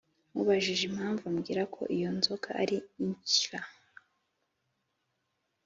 Mubajije impamvu ambwira ko iyo nzoga ari inshywa